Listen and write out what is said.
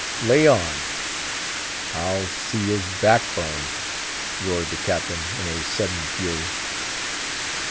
"Lay on! I'll see his backbone!" roared the Captain in a sudden fury.